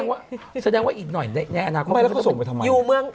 นี่แสดงว่าอีกหน่อยในอนาคตของมนุษย์ก็จะเป็น